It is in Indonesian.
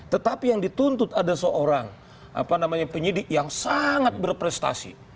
tetapi yang dituntut ada seorang penyidik yang sangat berprestasi